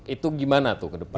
itu gimana tuh ke depan